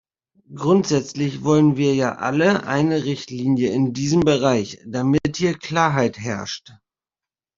Grundsätzlich wollen wir ja alle eine Richtlinie in diesem Bereich, damit hier Klarheit herrscht.